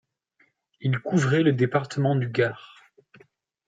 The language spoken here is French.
Il couvrait le département du Gard.